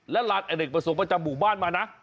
และลานอเนกประสงค์ประจำหมู่บ้านมานะ